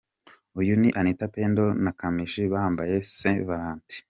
Uyu ni Anitha Pendo na Kamichi bambaye Saint Valentin!.